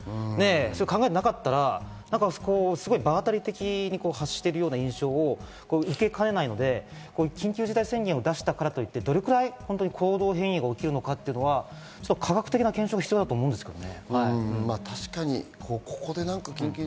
考えてなかったら場当たり的に発している印象を受けかねないので、緊急事態宣言を出したからといって、どれだけ行動変容が起きるのか、科学的な検証が必要だと思うんですけどね。